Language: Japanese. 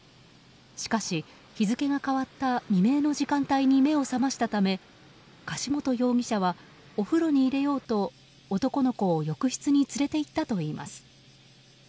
しかし日付が変わった未明の時間帯に目を覚ましたため柏本容疑者はお風呂に入れようと男の子を浴室に連れて行ったといいます。